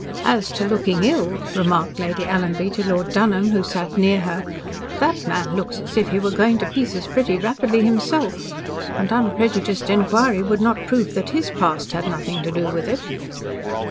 "As to looking ill," remarked Lady Alanby to Lord Dunholm, who sat near her, "that man looks as if he was going to pieces pretty rapidly himself, and unprejudiced inquiry would not prove that his past had nothing to do with it."